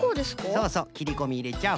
そうそうきりこみいれちゃう。